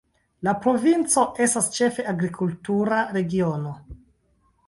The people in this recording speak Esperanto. La provinco estas ĉefe agrikultura regiono.